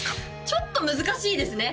ちょっと難しいですね